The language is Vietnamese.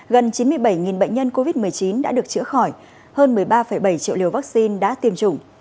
gần chín mươi bảy bệnh nhân covid một mươi chín đã được chữa khỏi hơn một mươi ba bảy triệu liều vaccine đã tiêm chủng